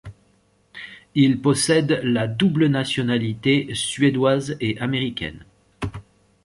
Il possède la double nationalité suédoise et américaine.